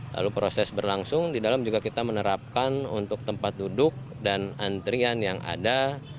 lalu proses berlangsung di dalam juga kita menerapkan untuk tempat duduk dan antrian yang ada